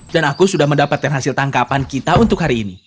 dan aku sudah mendapatkan hasil tangkapan kita untuk hari ini